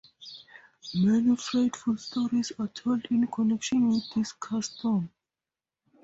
Many frightful stories are told in connection with this custom.